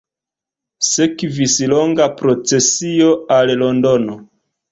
Sekvis longa procesio al Londono.